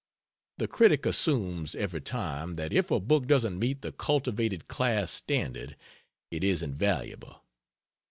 The critic assumes, every time, that if a book doesn't meet the cultivated class standard, it isn't valuable.